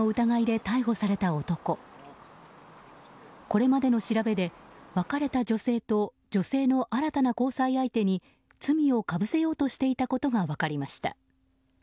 これまでの調べで、別れた女性と女性の新たな交際相手に罪をかぶせようとしていたことが分かりました。